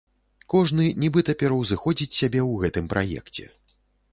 Кожны нібыта пераўзыходзіць сябе ў гэтым праекце.